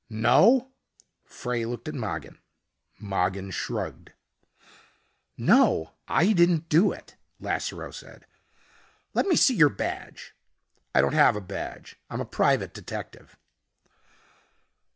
"No?" Frey looked at Mogin. Mogin shrugged. "No, I didn't do it," Lasseroe said. "Let me see your badge." "I don't have a badge. I'm a private detective."